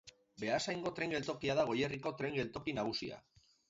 Beasaingo tren geltokia da Goierriko tren geltoki nagusia.